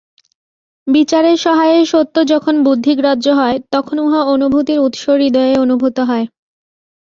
বিচারের সহায়ে সত্য যখন বুদ্ধিগ্রাহ্য হয়, তখন উহা অনুভূতির উৎস হৃদয়েই অনুভূত হয়।